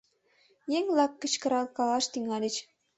Еҥ-влак кычкыркалаш тӱҥальыч.